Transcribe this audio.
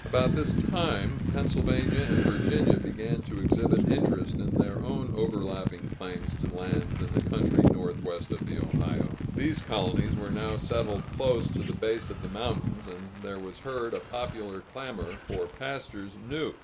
About this time, Pennsylvania and Virginia began to exhibit interest in their own overlapping claims to lands in the country northwest of the Ohio. Those colonies were now settled close to the base of the mountains, and there was heard a popular clamor for pastures new.